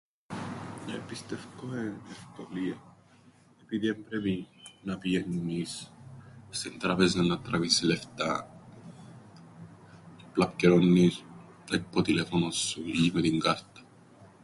Ε, πιστεύκω εν' ευκολία, επειδή εν πρέπει να πηαίννεις στην τράπεζαν να τραβήσεις λεφτά, απλά πκιερώννεις που το τηλέφωνον σου ή που την κάρταν.